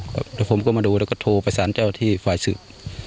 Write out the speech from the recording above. แล้วผมก็มาดูแล้วก็โทรไปสารเจ้าที่ฝ่ายสืบ